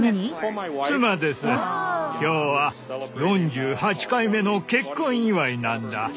今日は４８回目の結婚祝いなんだ。